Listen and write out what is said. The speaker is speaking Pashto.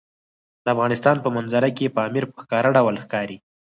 د افغانستان په منظره کې پامیر په ښکاره ډول ښکاري.